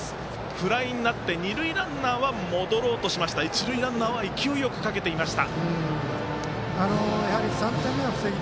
フライになって二塁ランナーは戻ろうとしました一塁ランナーは勢いよくかけていました。